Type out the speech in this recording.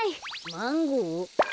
マンゴー？